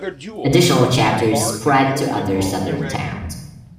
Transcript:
Additional chapters spread to other southern towns.